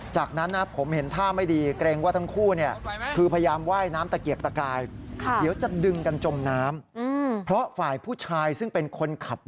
จากนั้นผมเห็นท่าไม่ดีเกรงว่าทั้งคู่คือพยายามว่ายน้ำตะเกียกตะกายเดี๋ยวจะดึงกันจมน้ำ